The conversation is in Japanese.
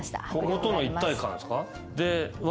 こことの一体感ですか。